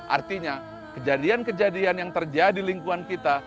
artinya kejadian kejadian yang terjadi di lingkuan kita